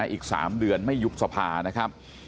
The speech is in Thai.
อีก๓เดือนไม่ยุบสภานะครับ